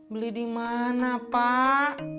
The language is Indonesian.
beli di mana pak